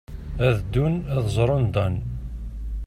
Ad ddun ad ẓren Dan.